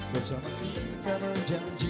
bersama kita berjanji